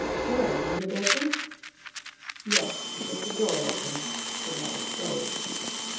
" Where ? In your bedroom ?"" Yes — with the door open — to let it go."